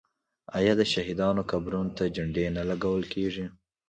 آیا د شهیدانو قبرونو ته جنډې نه لګول کیږي؟